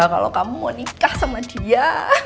kalau kamu mau nikah sama dia